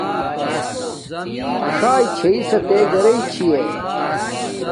اݽݵ چھسا تے گھرݵ چھی یہ